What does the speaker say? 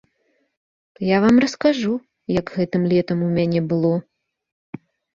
Я вам раскажу, як гэтым летам у мяне было.